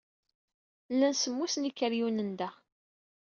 Llan semmus n yikeryunen da.